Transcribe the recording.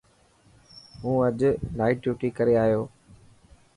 هون اڄ نائٽ ڊيوٽي ڪري آيو.